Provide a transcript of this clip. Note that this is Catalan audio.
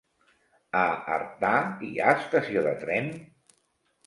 A Artà hi ha estació de tren?